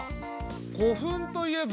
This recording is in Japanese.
古墳といえば。